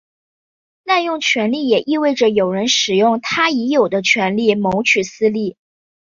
滥用权力也意味着有人使用他已有的权力谋取私利。